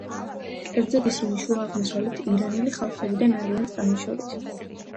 კერძოდ, ისინი შუა აღმოსავლეთ ირანელი ხალხებიდან არიან წარმოშობით.